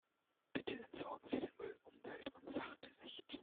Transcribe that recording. Bitte entsorgen Sie den Müll umwelt- und sachgerecht.